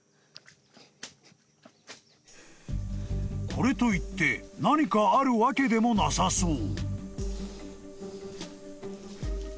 ［これといって何かあるわけでもなさそう］